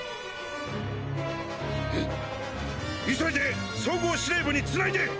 急いで総合指令部に繋いで！